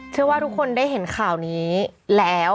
เชื่อว่าทุกคนได้เห็นข่าวนี้แล้ว